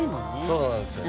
そうなんですよね。